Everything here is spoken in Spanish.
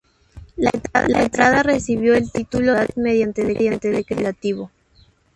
La Entrada recibió el Título de ciudad mediante Decreto legislativo No.